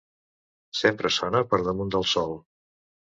Sempre sona per damunt del sol.